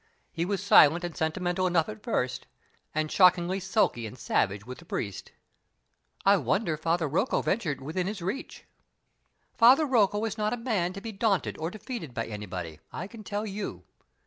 He was silent and sentimental enough at first, and shockingly sulky and savage with the priest " "I wonder Father Rocco ventured within his reach." "Father Rocco is not a man to be daunted or defeated by anybody, I can tell you.